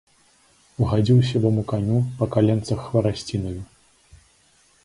Угадзіў сівому каню па каленцах хварасцінаю.